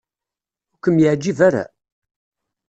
Ur kem-yeɛjib ara?